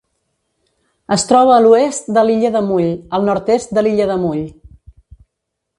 Es troba a l'oest de l'illa de Mull, al nord-est de l'illa de Mull.